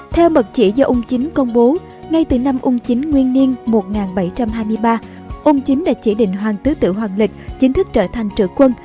theo mật chỉ do ung chính công bố ngay từ năm ung chính nguyên niên một nghìn bảy trăm hai mươi ba ung chính đã chỉ định hoàng tứ tử hoàng lịch chính thức trở thành trữ quân